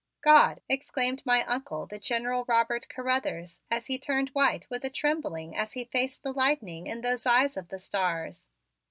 "God!" exclaimed my Uncle, the General Robert Carruthers, and he turned white with a trembling as he faced the lightning in those eyes of the stars.